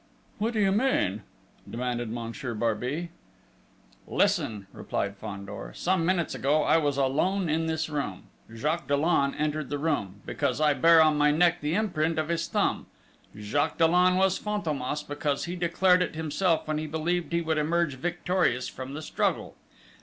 "What do you mean?" demanded Monsieur Barbey. "Listen!" replied Fandor: "Some minutes ago, I was alone in this room; Jacques Dollon entered the room, because I bear on my neck the imprint of his thumb. Jacques Dollon was Fantômas, because he declared it himself when he believed he would emerge victorious from the struggle.